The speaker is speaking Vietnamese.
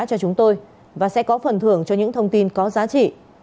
cho chúng tôi và sẽ có phần thưởng cho những thông tin có giá trị